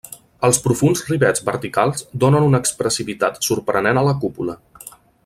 Els profunds rivets verticals donen una expressivitat sorprenent a la cúpula.